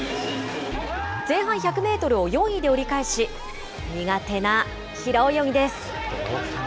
前半１００メートルを４位で折り返し、苦手な平泳ぎです。